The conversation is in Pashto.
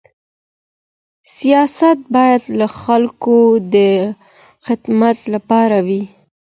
سياست بايد د خلګو د خدمت لپاره وي.